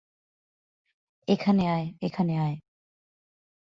এখানে আয়, এখানে আয়।